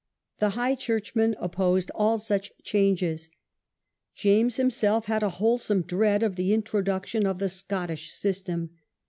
The high churchmen opposed all such changes. James him self had a wholesome dread of the introduction of the Scottish system.